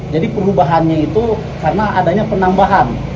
jadi perubahannya itu karena adanya penambahan